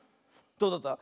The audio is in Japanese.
どうだった？